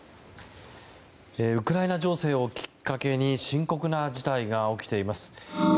ウクライナ情勢をきっかけに深刻な事態が起きています。